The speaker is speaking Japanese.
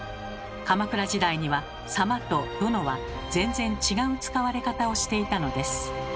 鎌倉時代には「様」と「殿」は全然違う使われ方をしていたのです。